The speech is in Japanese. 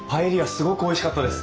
すごくおいしかったです。